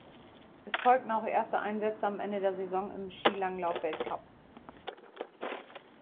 Es folgten auch erste Einsätze am Ende der Saison im Skilanglauf-Weltcup.